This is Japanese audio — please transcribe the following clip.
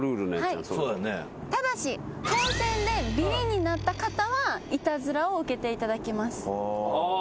ただし本戦でビリになった方はイタズラを受けていただきます。